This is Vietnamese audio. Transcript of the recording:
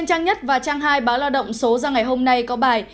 trang nhất và trang hai báo lao động số ra ngày hôm nay có bài